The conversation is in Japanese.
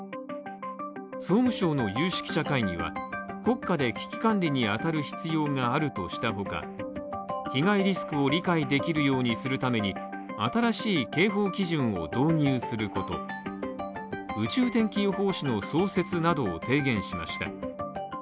総務省の有識者会議は国家で危機管理に当たる必要があるとした他、被害リスクを理解できるようにするために、新しい警報基準を導入すること、宇宙天気予報士の創設などを提言しました。